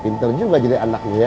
pinter juga jadi anak lu ya